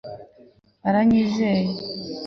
baranyizeye